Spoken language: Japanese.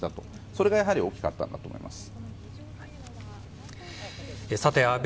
それが大きかったと思います。